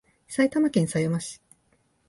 埼玉県狭山市